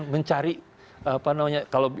mencari apa namanya